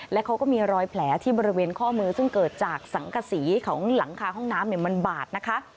และเขาก็มีรอยแผลที่บริเวณข้อมือซึ่งเกิดจากสังกษีของหลังคาห้องน้ำมันบาดนะคะ